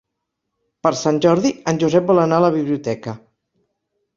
Per Sant Jordi en Josep vol anar a la biblioteca.